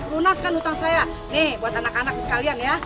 lunaskan hutang saya nih buat anak anak sekalian ya